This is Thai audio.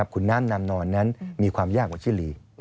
คุณน้ำนางนอนนั้นมีความยากกว่าชิลี